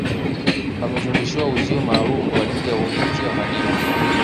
pamezungushiwa uzio maalumu kwa ajili ya ulinzi wa madini